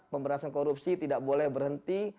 pemberantasan korupsi tidak boleh berhenti